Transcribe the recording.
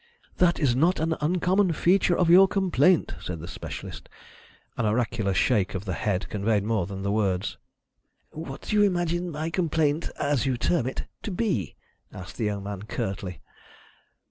"That is not an uncommon feature of your complaint," said the specialist. An oracular shake of the head conveyed more than the words. "What do you imagine my complaint, as you term it, to be?" asked the young man curtly.